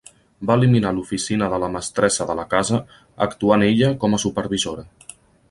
Va eliminar l'oficina de la mestressa de la casa, actuant ella com a supervisora.